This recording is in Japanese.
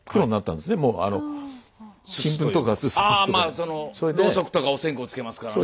そのろうそくとかお線香つけますからね。